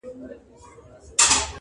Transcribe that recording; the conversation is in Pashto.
نن محتسب له خپل کتابه بندیز ولګاوه،